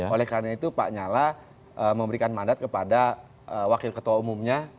oleh karena itu pak nyala memberikan mandat kepada wakil ketua umumnya